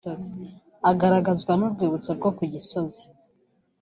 agaragazwa n’urwibutso rwo ku Gisozi